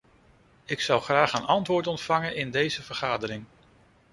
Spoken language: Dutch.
Ik zou graag een antwoord ontvangen in deze vergadering.